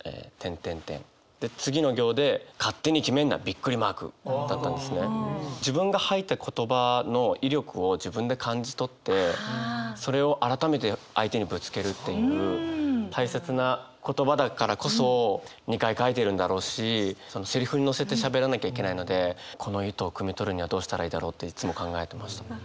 で次の行で「勝手に決めんな！」だったんですね。自分が吐いた言葉の威力を自分で感じ取ってそれを改めて相手にぶつけるっていう大切な言葉だからこそ２回書いてるんだろうしそのセリフにのせてしゃべらなきゃいけないのでこの意図をくみ取るにはどうしたらいいだろうっていつも考えてました。